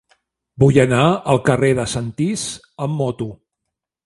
Vull anar al carrer de Sentís amb moto.